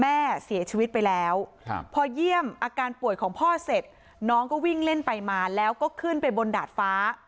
แม่เสียชีวิตไปแล้วพอเยี่ยมอาการป่วยของพ่อเสร็จน้องก็วิ่งเล่นไปมาแล้วก็ขึ้นไปบนดาดฟ้า